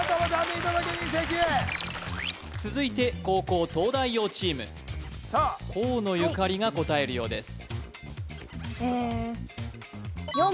見届け人席へ続いて後攻東大王チーム河野ゆかりが答えるようです